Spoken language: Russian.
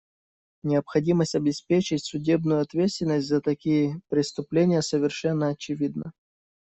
Необходимость обеспечить судебную ответственность за такие преступления совершенно очевидна.